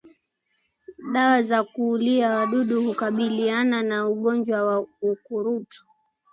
Dawa za kuulia wadudu hukabiliana na ugonjwa wa ukurutu